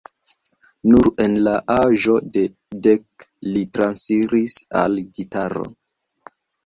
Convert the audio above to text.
Nur en la aĝo de dek li transiris al gitaro.